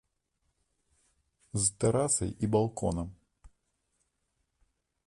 З тэрасай і балконам.